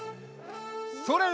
それ！